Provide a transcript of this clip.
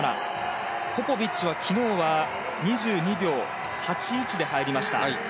ポポビッチは昨日は２２秒８１で入りました。